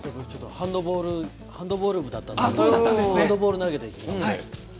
ハンドボール部だったのでハンドボール投げで。